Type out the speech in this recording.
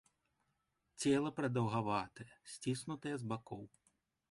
Цела прадаўгаватае, сціснутае з бакоў.